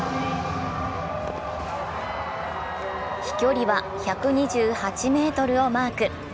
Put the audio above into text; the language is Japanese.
飛距離は１２８ｍをマーク。